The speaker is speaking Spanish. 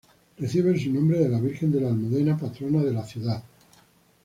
Recibe su nombre de la Virgen de la Almudena, patrona de la ciudad.